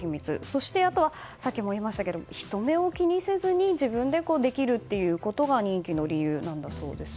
そして、あとはさっきも言いましたけど人目を気にせずに自分でできるということが人気の理由なんだそうです。